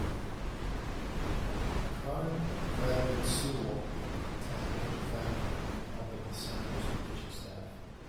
Cronin credited Sewell as a major factor in helping the Senators' pitching staff.